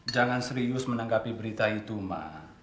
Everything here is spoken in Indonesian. jangan serius menanggapi berita itu mak